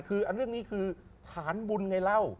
คือเรื่องนี้คือฐานบุญไงเล่า